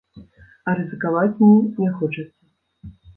А рызыкаваць мне не хочацца.